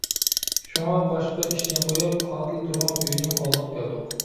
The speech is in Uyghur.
شۇڭا باشقا ئىشنى قويۇپ قاتىل تۇرغان ئۆينىڭ ئالدىغا كەلدۇق.